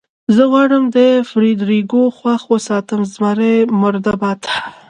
زه غواړم فرېډرېکو خوښ وساتم، زمري مرده باد.